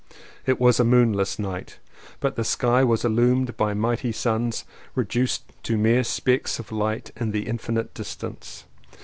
It was a moonless night, but the sky was illumined by mighty suns re duced to mere specks of light in the in finite distance.